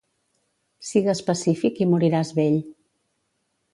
Sigues pacífic i moriràs vell.